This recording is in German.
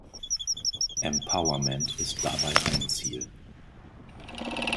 Empowerment ist dabei ein Ziel.